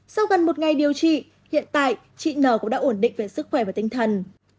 sau gần một ngày điều trị hiện tại chị n t l cũng đã ổn định về sức khỏe và tinh thần